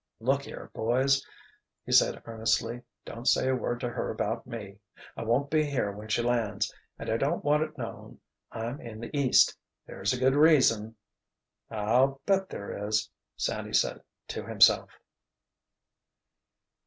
"Look here, boys," he said earnestly, "don't say a word to her about me! I won't be here when she lands—and I don't want it known I'm in the East. There's a good reason——" "I'll bet there is!" Sandy said to himself.